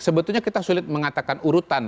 sebetulnya kita sulit mengatakan urutan